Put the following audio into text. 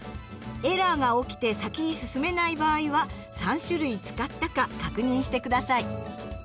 エラーが起きて先に進めない場合は３種類使ったか確認して下さい。